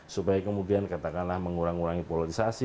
supaya kemudian katakanlah mengurang urangi polarisasi